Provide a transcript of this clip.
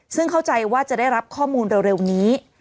ซึ่งเข้าใจว่าจะได้รับข้อมูลเร็วนี้